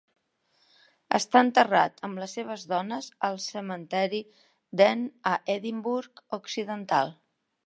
Està enterrat amb les seves dones al Cementeri Dean a Edinburgh occidental.